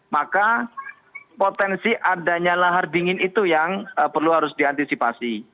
maka potensi adanya lahar dingin itu yang perlu harus diantisipasi